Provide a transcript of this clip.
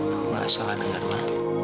aku gak masalah dengan ma